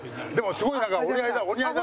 すごいなんかお似合い。